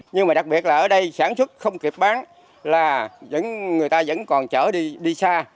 nhưng mà đặc biệt là ở đây sản xuất không kịp bán là người ta vẫn còn chở đi đi xa